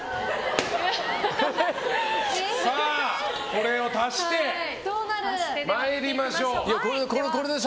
これを足して参りましょう。